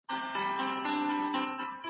د حقيقي عايد زياتوالی به د رفا سبب وګرځي.